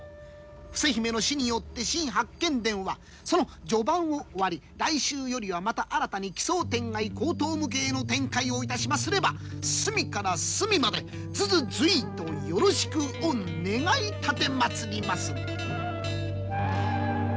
伏姫の死によって「新八犬伝」はその序盤を終わり来週よりはまた新たに奇想天外荒唐無稽の展開をいたしますれば隅から隅までずずずいっとよろしく御願い奉りまする。